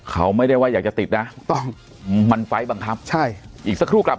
เขาไม่ได้ว่าอยากจะติดน่ะต้องมันไฟล์บั้งครับ